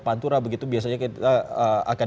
pantura begitu biasanya kita akan